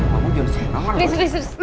kamu jelasin banget lo